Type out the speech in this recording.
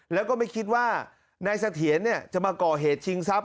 แล้วก็ไม่คิดว่านายเสถียรจะมาก่อเหตุชิงทรัพย